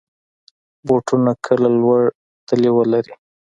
بوټونه کله لوړ تلي ولري.